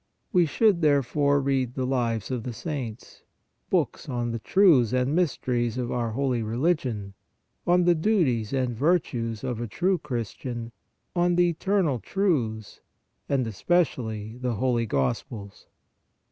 We should, therefore, read the " Lives of the Saints," books on the truths and mysteries of our holy religion, on the duties and virtues of a true Christian, on the eternal truths, and especially the holy Gospels.